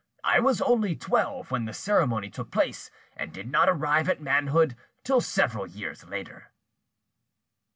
I was only twelve when the ceremony took place, and did not arrive at manhood till several years later."